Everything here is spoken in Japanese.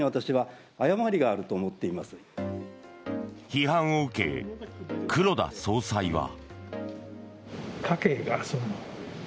批判を受け、黒田総裁は。